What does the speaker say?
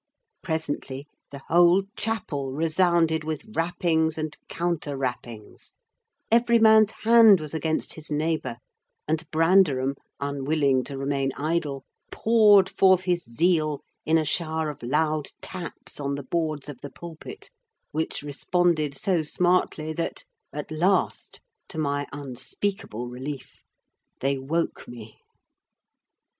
Presently the whole chapel resounded with rappings and counter rappings: every man's hand was against his neighbour; and Branderham, unwilling to remain idle, poured forth his zeal in a shower of loud taps on the boards of the pulpit, which responded so smartly that, at last, to my unspeakable relief, they woke me.